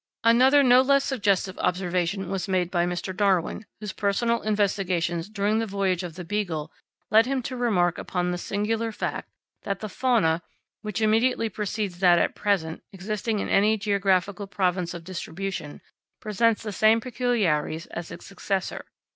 Another no less suggestive observation was made by Mr. Darwin, whose personal investigations during the voyage of the Beagle led him to remark upon the singular fact, that the fauna, which immediately precedes that at present existing in any geographical province of distribution, presents the same peculiarities as its successor.